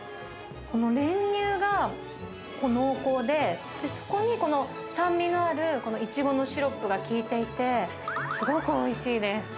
この練乳が濃厚で、そこにこの酸味のあるこのイチゴのシロップが効いていて、すごくおいしいです。